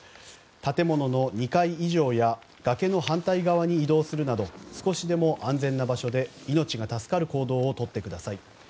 建物の２階以上や崖の反対側に移動するなど少しでも安全な場所で命が助かる行動をとってください。